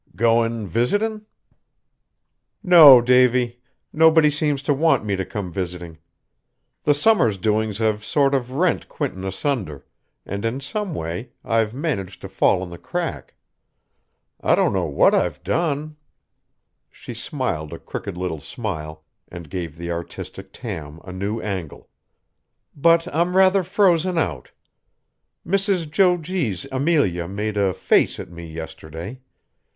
"Goin' visitin'?" "No, Davy; nobody seems to want me to come visiting. The summer's doings have sort of rent Quinton asunder, and in some way I've managed to fall in the crack. I don't know what I've done," she smiled a crooked little smile, and gave the artistic Tam a new angle, "but I'm rather frozen out. Mrs. Jo G.'s Amelia made a 'face' at me yesterday.